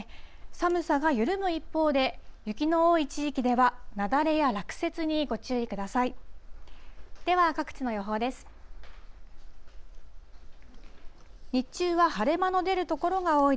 寒さが緩む一方で、雪の多い地域では、雪崩や落雪にご注意ください。